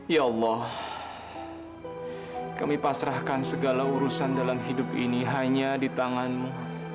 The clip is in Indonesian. ya allah kami pasrahkan segala urusan dalam hidup ini hanya di tanganmu